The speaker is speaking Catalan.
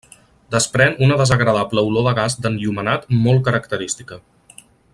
Desprèn una desagradable olor de gas d'enllumenat molt característica.